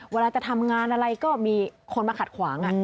เวลาจะทำงานอะไรก็มีคนมาขัดขวาง